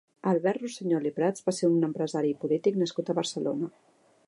Albert Rusiñol i Prats va ser un empresari i polític nascut a Barcelona.